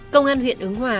công an huyện ứng hòa tp hcm